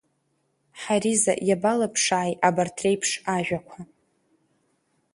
Ҳариза иабалыԥшааи абарҭ реиԥш ажәақәа?!